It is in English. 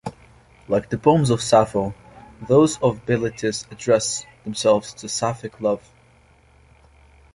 Like the poems of Sappho, those of 'Bilitis' address themselves to Sapphic love.